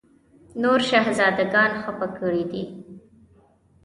نور شهزاده ګان خپه کړي دي.